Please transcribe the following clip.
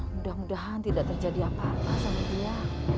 mudah mudahan tidak terjadi apa apa sama dia